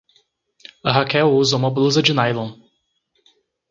A Raquel usa uma blusa de nylon.